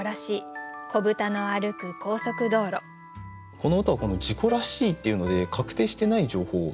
この歌は「事故らしい」というので確定してない情報。